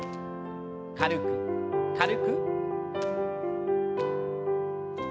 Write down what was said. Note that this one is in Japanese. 軽く軽く。